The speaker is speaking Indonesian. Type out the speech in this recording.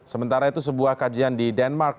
sementara itu sebuah kajian di denmark